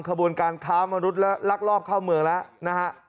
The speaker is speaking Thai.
ขบวนการค้ามนุษย์และลักลอบเข้าเมืองแล้วนะฮะ